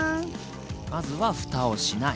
まずはふたをしない。